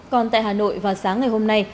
còn tại hà nội vào sáng ngày hôm nay